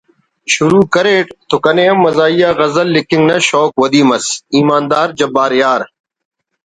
شروع کریٹ تو کنے ہم مزاحیہ غزل لکھنگ نا شوق ودی مس ایماندار جبار یار